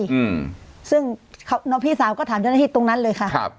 อืมซึ่งเขาน้องพี่สาวก็ถามเจ้าหน้าที่ตรงนั้นเลยค่ะครับ